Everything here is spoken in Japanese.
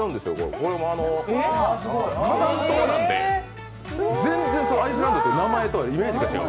これも火山島なので、全然アイスランドという名前とはイメージが違う。